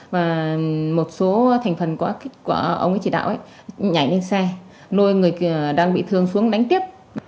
và một số thành phần của ông ấy chỉ đạo nhảy lên xe nuôi người đang bị thương xuống đánh tiếp